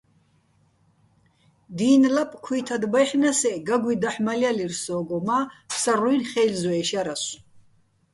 დი́ნ ლაპ ქუ́ჲთად ბაჲჰ̦ნა́ს-ე, გაგუჲ დაჰ̦ მალჲალირ სო́გო, მა́ ფსარლუ́ჲნი̆ ხეჲლზვე́ში̆ ჲარასო̆.